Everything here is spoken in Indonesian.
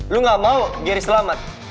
lu ga mau gary selamat